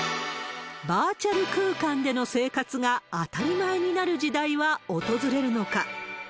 バーチャル空間での生活が当たり前になる時代は訪れるのか。